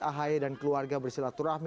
ahi dan keluarga bersilaturahmi